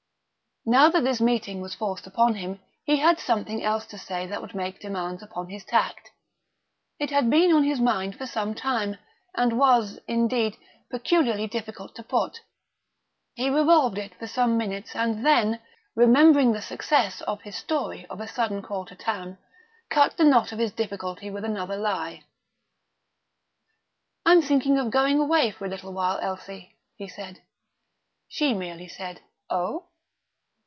Now that this meeting was forced upon him, he had something else to say that would make demands upon his tact. It had been on his mind for some time, and was, indeed, peculiarly difficult to put. He revolved it for some minutes, and then, remembering the success of his story of a sudden call to town, cut the knot of his difficulty with another lie. "I'm thinking of going away for a little while, Elsie," he said. She merely said, "Oh?"